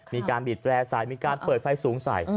มีการบีดแร่ใส่มีการเปิดไฟสูงใส่